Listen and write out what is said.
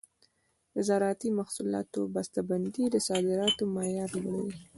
د زراعتي محصولاتو بسته بندي د صادراتو معیار لوړوي.